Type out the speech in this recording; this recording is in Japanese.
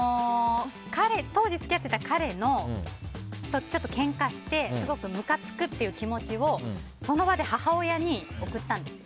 当時付き合っていた彼とちょっとけんかしてすごくムカつくっていう気持ちをその場で母親に送ったんです。